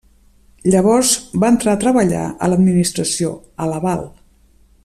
Llavors va entrar a treballar a l'administració, a Laval.